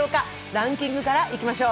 ランキングからいきましょう。